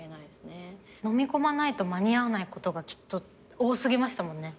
のみ込まないと間に合わないことがきっと多すぎましたもんね。